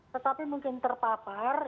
tetapi mungkin terpapar